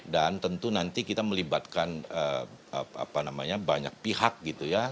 dan tentu nanti kita melibatkan banyak pihak gitu ya